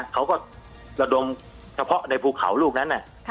เขาก็ละโดมทะเพาะในภูเขาลูกนั้นน่ะ